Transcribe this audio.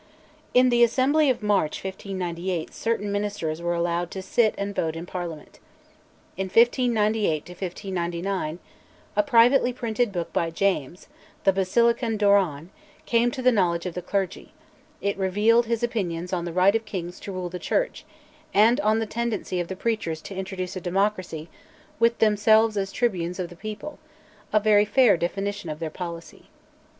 In the Assembly of March 1598 certain ministers were allowed to sit and vote in Parliament. In 1598 1599 a privately printed book by James, the 'Basilicon Doron,' came to the knowledge of the clergy: it revealed his opinions on the right of kings to rule the Church, and on the tendency of the preachers to introduce a democracy "with themselves as Tribunes of the People," a very fair definition of their policy.